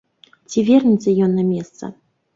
Ці вернецца ён на месца?